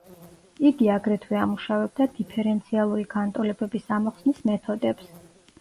იგი აგრეთვე ამუშავებდა დიფერენციალური განტოლებების ამოხსნის მეთოდებს.